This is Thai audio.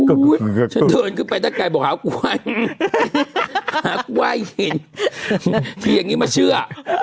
โอ้โหฉันเดินขึ้นไปได้ไกลบอกหากว่ายหินหากว่ายหินเขียนอย่างนี้มาเชื่อ